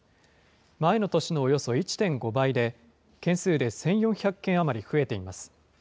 前の年のおよそ１．５倍で、件数で１４００件余り増えています。